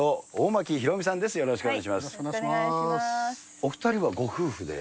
お２人はご夫婦で。